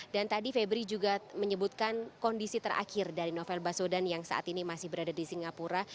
dan tadi febri juga menyebutkan kondisi terakhir dari novel baswedan yang saat ini masih berada di singapura